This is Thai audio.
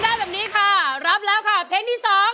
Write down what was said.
ได้แบบนี้ค่ะรับแล้วค่ะเพลงที่๒